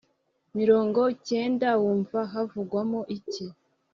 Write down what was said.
mirongo kenda wumva havugwamo iki’